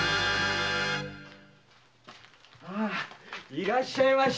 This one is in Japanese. いらっしゃいまし。